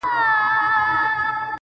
د ابۍ پر مرگ نه يم عرزايل اموخته کېږي.